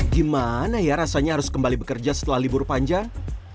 gimana ya rasanya harus kembali bekerja setelah libur panjang